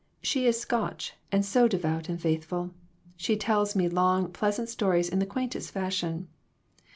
She is Scotch, and so devout and faithful. She tells me long, pleasant stories in the quaintest fashion.